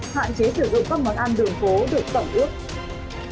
hạn chế sử dụng các món ăn đường phố được tổng ước